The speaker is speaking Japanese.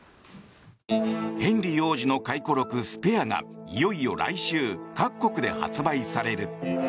ヘンリー王子の回顧録「スペア」がいよいよ来週各国で発売される。